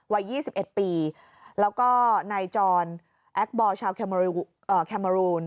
วัยยี่สิบเอ็ดปีแล้วก็ไนท์จอลแอคบอร์ชาวแคมรูน